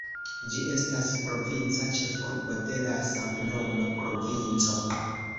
Ĝi estas provinca ĉefurbo de la samnoma provinco.